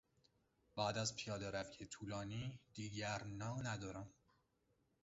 بعد از پیادهروی طولانی دیگر نا ندارم.